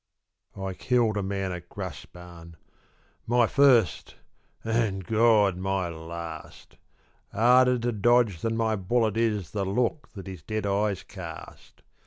I killed a man at Graspan; My first and, God! my last; Harder to dodge than my bullet is The look that his dead eyes cast.